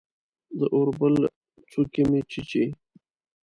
د اوربل څوکې مې چیچي